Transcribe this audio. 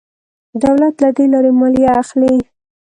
دولت له دې لارې مالیه اخلي.